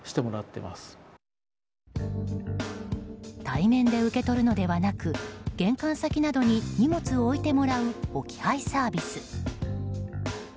対面で受け取るのではなく玄関先などに荷物を置いてもらう置き配サービス。